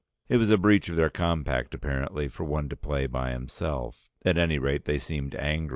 It was a breach of their compact apparently for one to play by himself, at any rate they seemed angry.